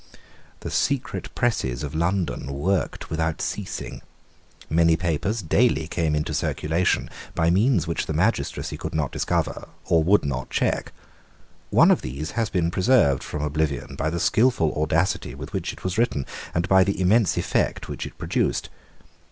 The secret presses of London worked without ceasing. Many papers daily came into circulation by means which the magistracy could not discover, or would not check. One of these has been preserved from oblivion by the skilful audacity with which it was written, and by the immense effect which it produced.